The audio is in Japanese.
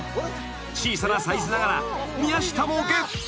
［小さなサイズながら宮下もゲット］